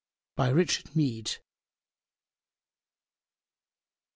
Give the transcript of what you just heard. By RICHARD MEAD, M.